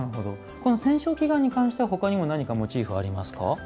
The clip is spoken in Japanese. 戦勝祈願に関しては他にもモチーフはありますか？